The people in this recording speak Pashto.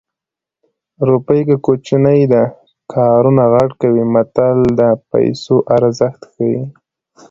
روپۍ که کوچنۍ ده کارونه غټ کوي متل د پیسو ارزښت ښيي